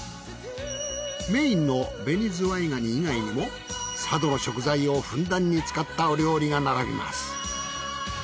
メインの紅ズワイ蟹以外にも佐渡の食材をふんだんに使ったお料理が並びます。